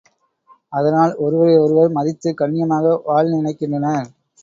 அதனால் ஒருவரை ஒருவர் மதித்துக் கண்ணியமாக வாழ் நினைக்கின்றனர்.